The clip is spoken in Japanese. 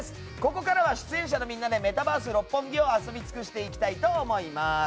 ここからは出演者のみんなでメタバース六本木を遊びつくしていきたいと思います。